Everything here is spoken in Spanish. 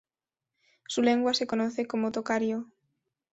Su lengua se conoce como tocario.